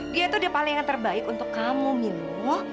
dia tuh dia paling yang terbaik untuk kamu milo